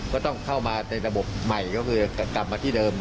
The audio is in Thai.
ก็ต้องเข้ามาในระบบใหม่ก็คือกลับมาที่เดิม